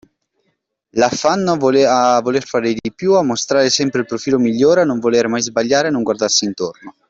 L’affanno a voler fare di più, a mostrare sempre il profilo migliore, a non voler mai sbagliare, a non guardarsi intorno.